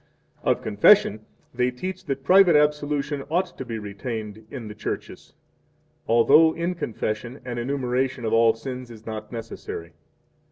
1 Of Confession they teach that Private Absolution ought to be retained in the churches, although in confession 2 an enumeration of all sins is not necessary.